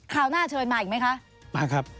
ราวหน้าเชิญมาอีกไหมคะมาครับ